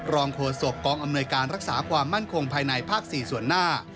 โฆษกองอำนวยการรักษาความมั่นคงภายในภาค๔ส่วนหน้า